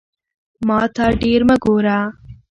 ماته ډیر مه ګوره